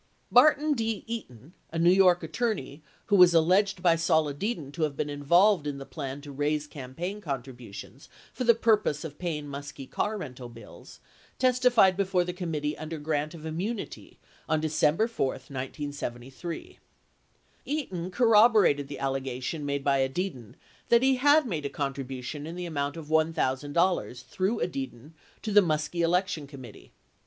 85 Barton D. Eaton, a New York attorney who was alleged by Sol Edidin to have been involved in the plan to raise campaign contribu tions for the purpose of paying Muskie car rental bills, testified before the committee under grant of immunity on December 4, 1973. Eaton corroborated the allegation made by Edidin that he had made a contribution in the amount of $1,000 through Edidin to the "Muskie Election Committee."